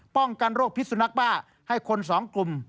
ป้องกันโรคพิษสุนักบ้าให้คนสองกลุ่ม